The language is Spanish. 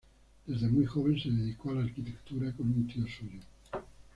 Desde muy joven se dedicó a la arquitectura con un tío suyo.